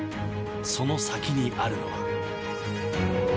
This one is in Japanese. その先にあるのは。